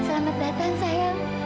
selamat datang sayang